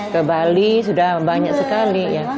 ke bali sudah banyak sekali